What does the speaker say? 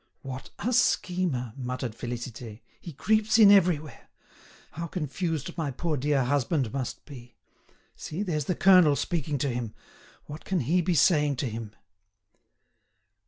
"What a schemer!" muttered Félicité. "He creeps in everywhere. How confused my poor dear husband must be! See, there's the colonel speaking to him. What can he be saying to him?"